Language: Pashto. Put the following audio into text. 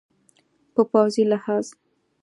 په پوځي لحاظ